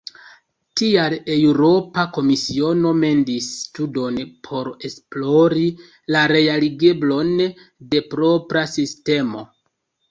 Tial Eŭropa Komisiono mendis studon por esplori la realigeblon de propra sistemo.